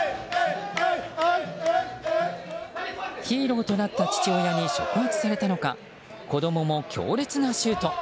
ヒーローとなった父親に触発されたのか子供も強烈なシュート。